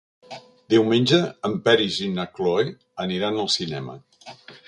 Diumenge en Peris i na Cloè aniran al cinema.